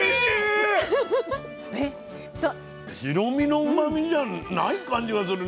白身のうまみじゃない感じがする。